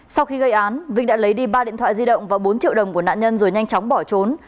sau khi gây án vinh đã lấy đi ba điện thoại di động và bốn triệu đồng của nạn nhân rồi nhanh chóng bỏ trốn